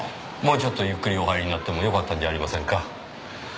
もうちょっとゆっくりお入りになってもよかったんじゃありませんか？